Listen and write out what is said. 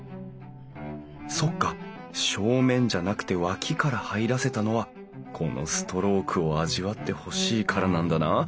そっか正面じゃなくて脇から入らせたのはこのストロークを味わってほしいからなんだな。